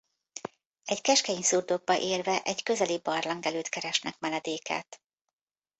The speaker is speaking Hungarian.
Egy keskeny szurdokba érve egy közeli barlang előtt keresnek menedéket.